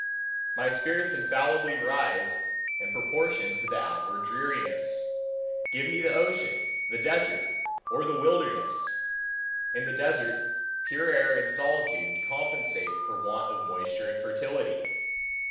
My spirits infallibly rise in proportion to the outward dreariness. Give me the ocean, the desert, or the wilderness! In the desert, pure air and solitude compensate for want of moisture and fertility.